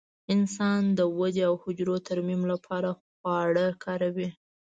انسان د ودې او حجرو ترمیم لپاره خواړه کاروي.